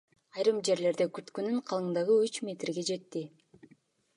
Айрым жерлерде күрткүнүн калыңдыгы үч метрге жетти.